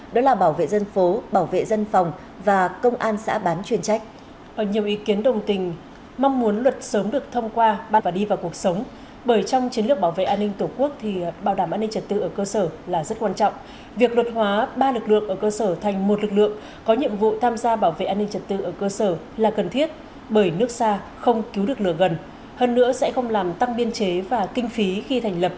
đó là bảo vệ dân phố bảo vệ dân phòng và công an xã bán truyền trách